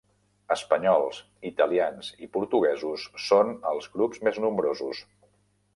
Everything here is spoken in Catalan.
Espanyols, italians i portuguesos són els grups més nombrosos.